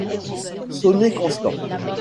Sonnez Constant.